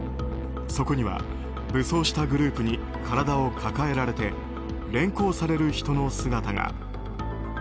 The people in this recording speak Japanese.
そこには、武装したグループに体を抱えられて連行される人の姿が。